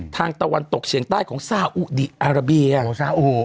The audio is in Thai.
ตะวันตกเฉียงใต้ของซาอุดีอาราเบียของซาอุ